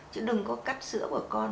chứ đừng có cắt sữa của con